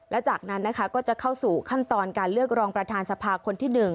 และจากนั้นนะคะก็จะเข้าสู่ขั้นตอนการเลือกรองประธานสภาคนที่๑